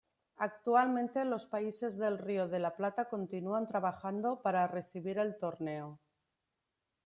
Actualmente, los países del Río de la Plata continúan trabajando para recibir el torneo.